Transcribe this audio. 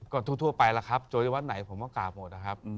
ก็ทั่วไปละครับโจริยาวัดไหนผมกล่าวหมดนะครับ